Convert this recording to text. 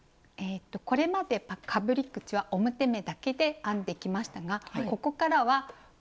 これまでかぶり口は表目だけで編んできましたがここからは裏目が登場します。